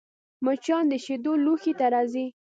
مچان د شیدو لوښي ته راځي